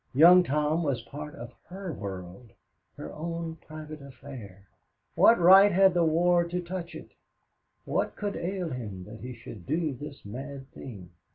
Young Tom was part of her world her own private affair. What right had the war to touch it? What could ail him that he should do this mad thing?